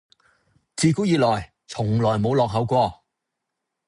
自古以來從來冇落後過